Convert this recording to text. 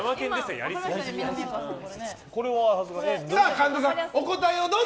神田さん、お答えをどうぞ。